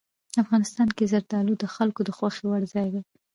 افغانستان کې زردالو د خلکو د خوښې وړ ځای دی.